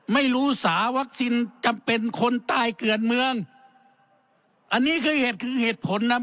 ไม่รู้สาวัคซีนจำเป็นคนใต้เกือนเมืองอันนี้คือเหตุคือเหตุผลนะ